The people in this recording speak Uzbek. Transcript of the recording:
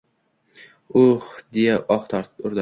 — U-u-uh!.. — deya oh urdi.